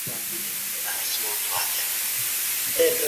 هغه به تر نیمو شپو پورې کتاب ته ناست و.